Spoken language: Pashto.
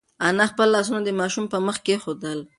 انا خپل لاسونه د ماشوم په مخ کېښودل.